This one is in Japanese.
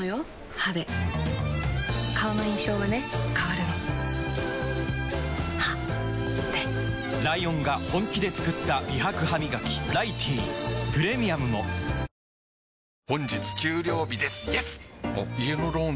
歯で顔の印象はね変わるの歯でライオンが本気で作った美白ハミガキ「ライティー」プレミアムもこのシャツくさいよ。